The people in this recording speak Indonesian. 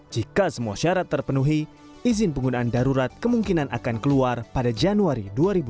jika semua syarat terpenuhi izin penggunaan darurat kemungkinan akan keluar pada januari dua ribu dua puluh